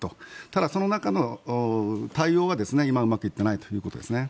ただ、その中の対応が今、うまくいっていないということです。